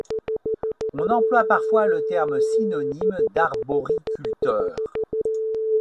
On emploie parfois le terme synonyme d'arboriculteur.